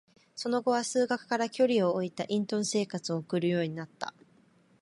その後は、数学から距離を置いた隠遁生活を送るようになった。